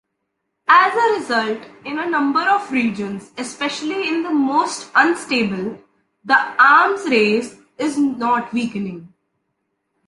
As a result, in a number of regions, especially in the most unstable, the arms race is not weakening.